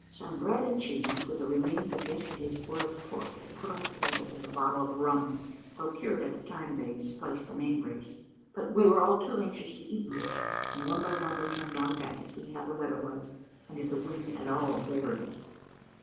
Some bread and cheese, with the remains of yesterday's boiled pork, were put on the table, with a bottle of rum, procured at the time they "spliced the main brace;" but we were all too anxious to eat much, and one by one returned on deck, to see how the weather was, and if the wind at all favoured us.